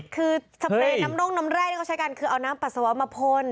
คือสเปรย์น้ำน่งน้ำแร่ที่เขาใช้กันคือเอาน้ำปัสสาวะมาพ่น